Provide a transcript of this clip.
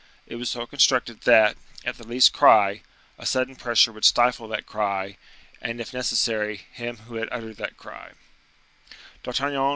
It was so constructed that, at the least cry, a sudden pressure would stifle that cry, and, if necessary, him who had uttered that cry.